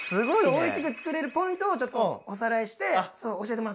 美味しく作れるポイントをちょっとおさらいして教えてもらったよ。